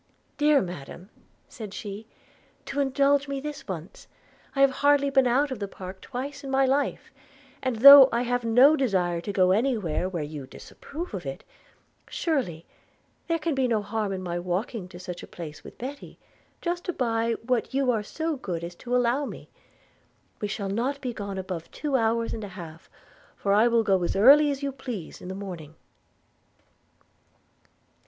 'Dear Madam,' said she, 'do indulge me this once. I have hardly been out of the park twice in my life; and though I have no desire to go any where when you disapprove of it, surely there can be no harm in my walking to such a place with Betty, just to buy what you are so good as to allow me. We shall not be gone above two hours and a half, for I will go as early as you please in the morning.'